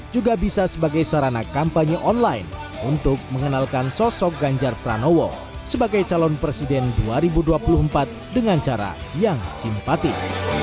juga bisa sebagai sarana kampanye online untuk mengenalkan sosok ganjar pranowo sebagai calon presiden dua ribu dua puluh empat dengan cara yang simpatik